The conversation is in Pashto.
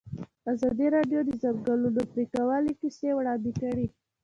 ازادي راډیو د د ځنګلونو پرېکول کیسې وړاندې کړي.